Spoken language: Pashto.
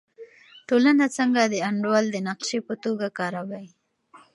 ټولنه څنګه د انډول د نقشې په توګه کاروي؟